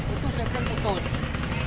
itu segen putus